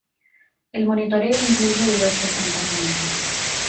El monitoreo incluye diversos contaminantes.